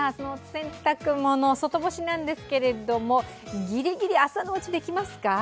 洗濯物、外干しなんですけれども、ギリギリ朝のうちできますか？